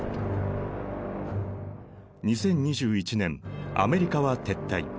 ２０２１年アメリカは撤退。